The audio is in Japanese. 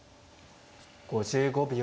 ５５秒。